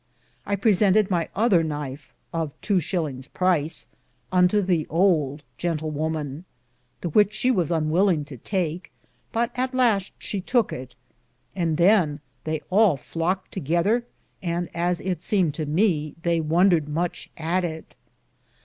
I presented my other knyfe, of 2s. price, unto the ould Jentlewoman, the which she was unwilling to take, but at laste she tooke it, and than they all flocked together, and, as it semed to me, they wondered muche at it.